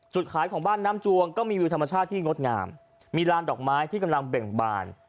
ขายของบ้านน้ำจวงก็มีวิวธรรมชาติที่งดงามมีลานดอกไม้ที่กำลังเบ่งบาน